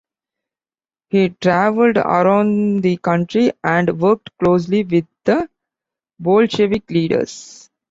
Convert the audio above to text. He traveled around the country and worked closely with the Bolshevik leaders.